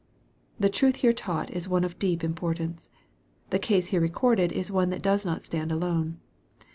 The truth here taught is one of deep importance. The case here recorded is one that does not stand alone.